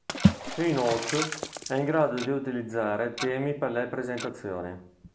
Keynote è in grado di utilizzare temi per le presentazioni.